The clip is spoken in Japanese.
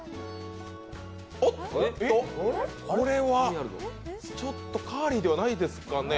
おっと、これはちょっとカーリーではないですかね。